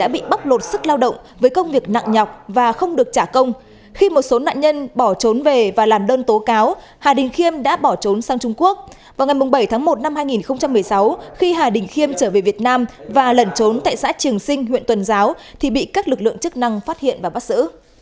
vào ngày bảy tháng một năm hai nghìn một mươi sáu khi hà đình khiêm trở về việt nam và lẩn trốn tại xã trường sinh huyện tuần giáo thì bị các lực lượng chức năng phát hiện và bắt giữ